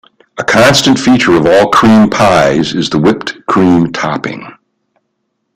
A constant feature of all cream pies is the whipped cream topping.